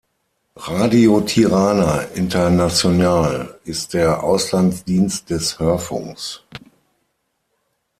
Radio Tirana Internacional ist der Auslandsdienst des Hörfunks.